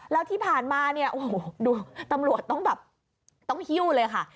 แล้วที่ผ่านมาเนี่ยโอ้โหดูตำรวจต้องแบบต้องหิ้วเลยค่ะ